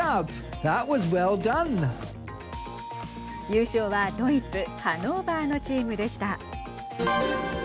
優勝はドイツハノーバーのチームでした。